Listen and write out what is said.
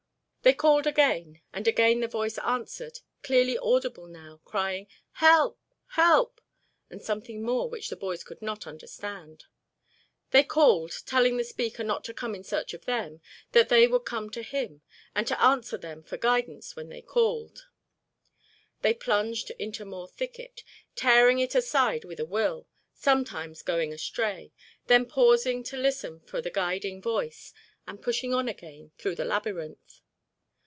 They called again, and again the voice answered, clearly audible now, crying, "Help help!" and something more which the boys could not understand. They called, telling the speaker not to come in search of them, that they would come to him, and to answer them for guidance when they called. They plunged into more thicket, tearing it aside with a will, sometimes going astray, then pausing to listen for the guiding voice, and pushing on again through the labyrinth.